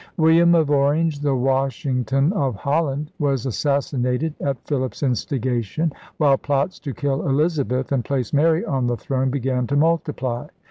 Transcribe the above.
William of Orange, the Washington of Holland, was assassinated at Philip's instigation, while plots to kill Elizabeth and place Mary on the throne began to multiply.